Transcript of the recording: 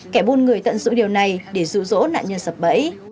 kẻ buôn người tận dụng điều này để rụ rỗ nạn nhân sập bẫy